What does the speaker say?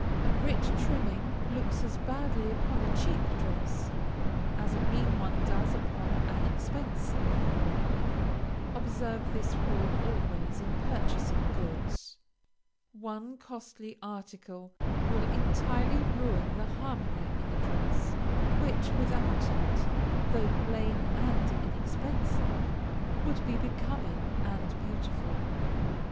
A rich trimming looks as badly upon a cheap dress, as a mean one does upon an expensive fabric. Observe this rule always in purchasing goods. One costly article will entirely ruin the harmony in a dress, which, without it, though plain and inexpensive, would be becoming and beautiful.